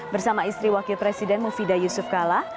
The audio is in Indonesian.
bersama istri wakil presiden mufidah yusuf kala